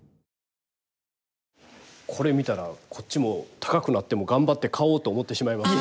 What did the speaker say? これ見たらこっちも高くなっても頑張って買おうと思ってしまいます。